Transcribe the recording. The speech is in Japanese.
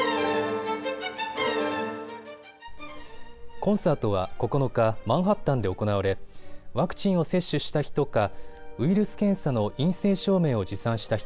コンサートは９日、マンハッタンで行われワクチンを接種した人か、ウイルス検査の陰性証明を持参した人